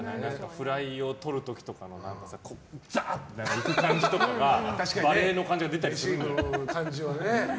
フライをとる時とかのザーッて行く感じとかバレーの感じが出たりするのかな。